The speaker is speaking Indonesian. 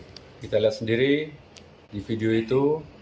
kita lihat sendiri di video itu